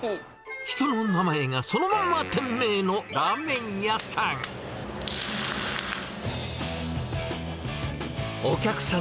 人の名前が、そのまま店名のラーメン屋さん。